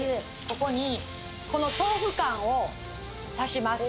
ここにこの豆腐干を足します